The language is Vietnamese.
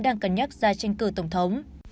đang cân nhắc ra tranh cử tổng thống